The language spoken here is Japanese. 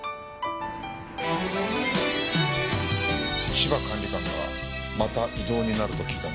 芝管理官がまた異動になると聞いたんですが。